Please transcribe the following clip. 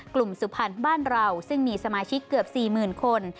สุพรรณบ้านเราซึ่งมีสมาชิกเกือบ๔๐๐๐คน